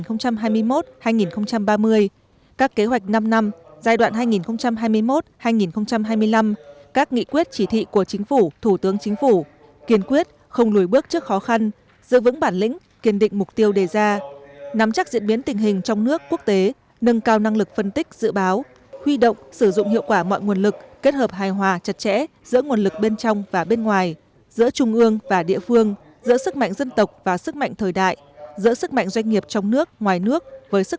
kế hoạch năm năm giai đoạn hai nghìn hai mươi một hai nghìn hai mươi năm các nghị quyết chỉ thị của chính phủ thủ tướng chính phủ kiên quyết không lùi bước trước khó khăn giữ vững bản lĩnh kiên định mục tiêu đề ra nắm chắc diễn biến tình hình trong nước quốc tế nâng cao năng lực phân tích dự báo huy động sử dụng hiệu quả mọi nguồn lực kết hợp hài hòa chặt chẽ giữa nguồn lực bên trong và bên ngoài giữa trung ương và địa phương giữa sức mạnh dân tộc và sức mạnh thời đại giữa sức mạnh doanh nghiệp trong nước ngoài nước với sức